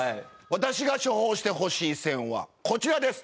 私が処方してほしい「選」はこちらです。